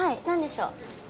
何でしょう？